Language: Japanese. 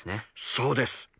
そうです。